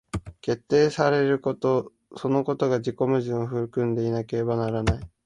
決定せられることそのことが自己矛盾を含んでいなければならない。